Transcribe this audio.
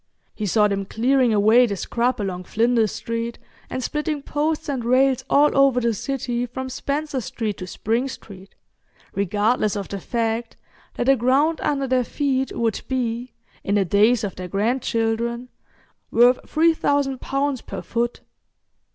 He saw them clearing away the scrub along Flinders Street, and splitting posts and rails all over the city from Spencer Street to Spring Street, regardless of the fact that the ground under their feet would be, in the days of their grandchildren, worth 3,000 pounds per foot.